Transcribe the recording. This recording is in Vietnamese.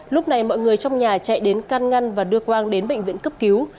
lúc này mọi người trong nhà chạy đến can ngăn và đưa quang đến bệnh viện cấp cứu